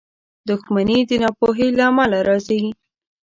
• دښمني د ناپوهۍ له امله راځي.